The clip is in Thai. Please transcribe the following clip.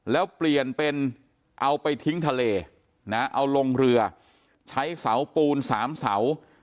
แล้วเปลี่ยนเป็นเอาไปทิ้งทะเลนะเอาลงเรือใช้เสาปูน๓เสา